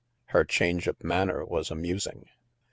Her change of manner was amusing.